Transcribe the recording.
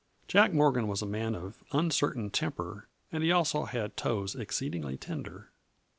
Jack Morgan was a man of uncertain temper and he also had toes exceedingly tender.